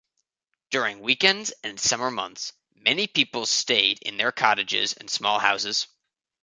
During weekends and summer months many people stayed in their cottages and small houses.